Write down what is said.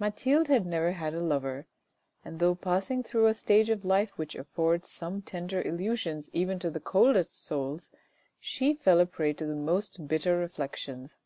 Mathilde had never had a lover, and though passing through a stage of life which affords some tender illusions even to the coldest souls, she fell a prey to the most bitter reflections.